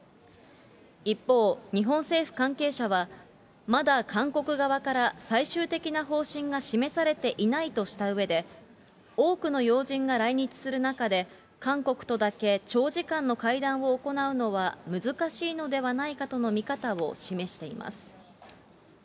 一方、日本政府関係者は、まだ韓国側から最終的な方針が示されていないとしたうえで、多くの要人が来日する中で、韓国とだけ長時間の会談を行うのは難しいのではないかとの見方を示しています。